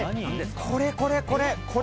これこれこれ！